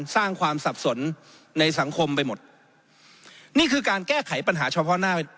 สร้างความสับสนในสังคมไปหมดนี่คือการแก้ไขปัญหาเฉพาะหน้า